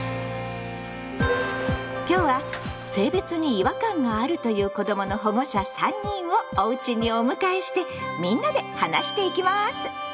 今日は性別に違和感があるという子どもの保護者３人をおうちにお迎えしてみんなで話していきます！